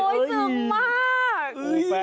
โอ้ยเสิร์ฟมาก